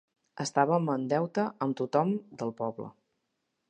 Estàvem en deute amb tothom del poble.